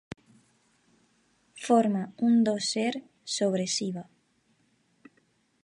Forma un dosser sobre Shiva.